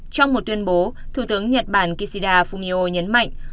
trong một tuyên bố thủ tướng nhật bản kishida fumio nhấn mạnh